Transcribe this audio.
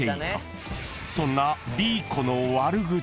［そんな］